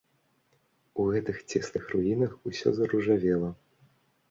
У гэтых цесных руінах усё заружавела.